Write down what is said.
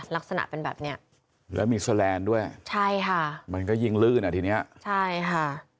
ลักษณะเป็นแบบเนี้ยแล้วมีแสลนด์ด้วยใช่ค่ะมันก็ยิ่งลื่นอ่ะทีเนี้ยใช่ค่ะ